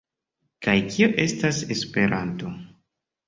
Kaj kio estas Esperanto?